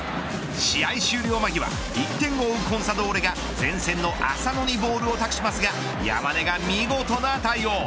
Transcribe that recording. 試合終了間際１点を追うコンサドーレが前線の浅野にボールを託しますが山根が見事な対応。